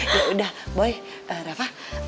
yaudah boy reva